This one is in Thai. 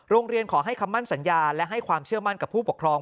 โรงเรียนขอให้คำมั่นสัญญาและให้ความเชื่อมั่นกับผู้ปกครอง